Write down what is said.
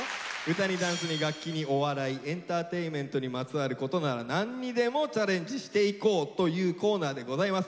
歌にダンスに楽器にお笑いエンターテインメントにまつわることなら何にでもチャレンジしていこうというコーナーでございます。